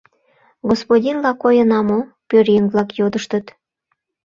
— Господинла койына мо? — пӧръеҥ-влак йодыштыт.